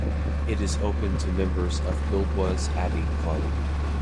It is open to members of Buildwas Abbey Club.